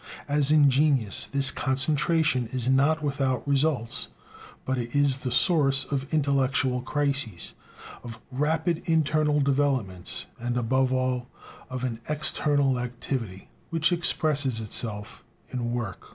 As in genius, this concentration is not without results, but is the source of intellectual crises, of rapid internal developments, and, above all, of an "external activity" which expresses itself in work.